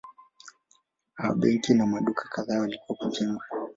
A benki na maduka kadhaa walikuwa kujengwa.